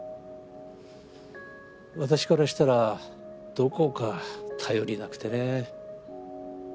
私からしたらどこか頼りなくてね。